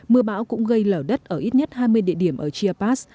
mưa bão cũng gây lở đất ở ít nhất hai mươi địa điểm ở chiapas